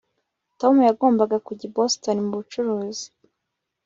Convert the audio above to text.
Tom yagombaga kujya i Boston mubucuruzi